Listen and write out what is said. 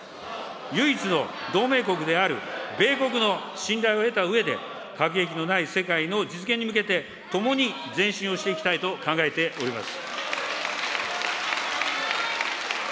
唯一の同盟国である米国の信頼を得たうえで、核兵器のない世界の実現に向けて、ともに前進をしていきたいと考えております。